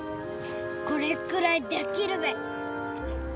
これくらいできるべ。